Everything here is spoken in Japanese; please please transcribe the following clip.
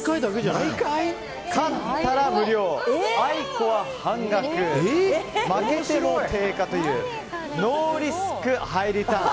勝ったら無料、あいこは半額負けても定価というノーリスクハイリターン。